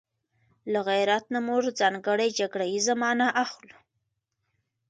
له غيرت نه موږ ځانګړې جګړه ييزه مانا اخلو